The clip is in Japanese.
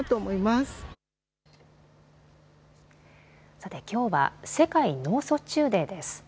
さて、きょうは世界脳卒中デーです。